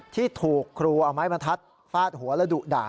ที่ถูกครูเอาไม้บรรทัดฟาดหัวและดุด่า